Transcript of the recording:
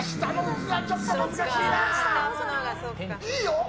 いいよ！